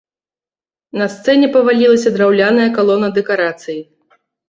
На сцэне павалілася драўляная калона дэкарацыі.